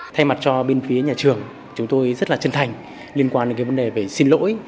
thay mặt cho bên phía nhà trường chúng tôi rất là chân thành liên quan đến cái vấn đề về xin lỗi